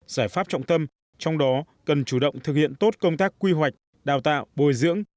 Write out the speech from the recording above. giải pháp trọng tâm trong đó cần chủ động thực hiện tốt công tác quy hoạch đào tạo bồi dưỡng